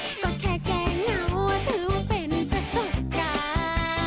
ก็แค่แก้เหงาถือเป็นประสบการณ์